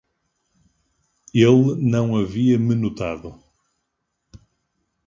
Ele não havia me notado.